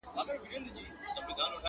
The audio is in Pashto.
یو صوفي یو قلندر سره یاران وه،